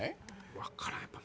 分からん！